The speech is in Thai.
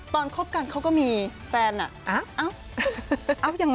ตอนคบกันเค้าก็มีแฟน